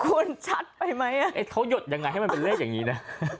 คุณชัดไปมั้ยอะเขายดยังไงให้กระเป๋าเหรดอย่างนี้นะ